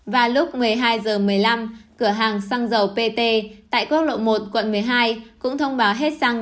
vào lúc một mươi hai h một mươi năm cửa hàng xăng dầu pt tại quốc lộ một quận một mươi hai cũng thông báo hết xăng